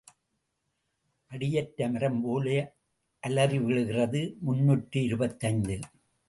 அடி அற்ற மரம்போல அலறி விழுகிறது முன்னூற்று இருபத்தைந்து